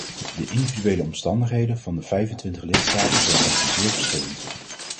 De individuele omstandigheden van de vijfentwintig lidstaten zijn echter zeer verschillend.